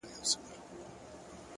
څه عجيبه شان سيتار کي يې ويده کړم _